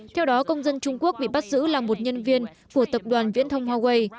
theo đó công dân trung quốc bị bắt giữ là một nhân viên của tập đoàn viễn thông huawei